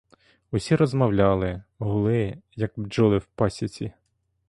Усі розмовляли, гули, як бджоли в пасіці.